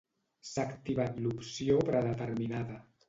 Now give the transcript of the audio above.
S'ha activat l'opció predeterminada.